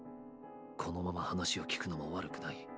このまま話を聞くのも悪くない！！